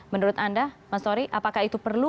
menurut anda mas tori apakah itu perlu